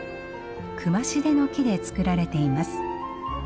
クマシデの木で作られています。